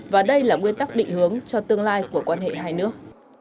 và đây là nguyên tắc định hướng cho tương lai của quan hệ hai nước